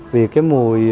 vì cái mùi